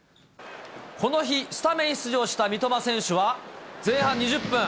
この日、スタメン出場した三笘選手は、前半２０分。